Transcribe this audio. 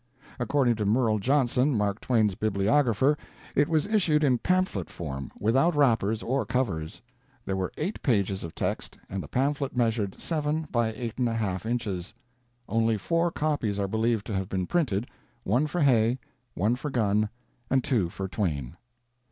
According to Merle Johnson, Mark Twain's bibliographer, it was issued in pamphlet form, without wrappers or covers; there were 8 pages of text and the pamphlet measured 7 by 8 1/2 inches. Only four copies are believed to have been printed, one for Hay, one for Gunn, and two for Twain.